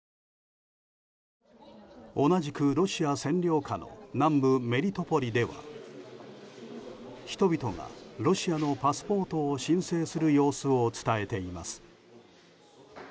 同じくロシア占領下の南部メリトポリでは人々が、ロシアのパスポートを申請する様子を伝えています。